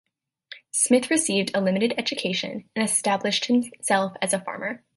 Smith received a limited education, and established himself as a farmer.